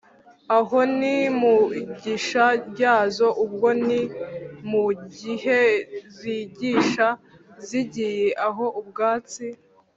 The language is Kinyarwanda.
aho ni mu igisha ryazo: ubwo ni mu gihe zigisha (zigiye aho ubwatsi